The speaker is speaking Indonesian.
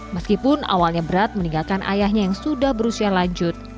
meskipun awalnya berat meninggalkan ayahnya yang sudah berusia lanjut